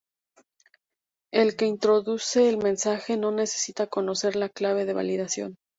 El que introduce el mensaje no necesita conocer la clave de validación.